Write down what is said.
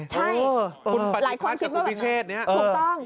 ใช่คุณปฏิภัทธ์กับคุณพิเชษเนี่ย